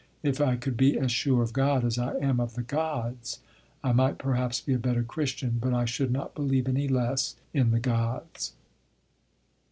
If I could be as sure of God as I am of the Gods, I might perhaps be a better Christian, but I should not believe any less in the Gods.